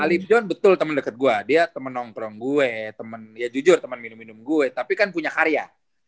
alip john betul temen deket gua dia temen nongkrong gue temen ya jujur temen minum minum gue tapi kan punya karya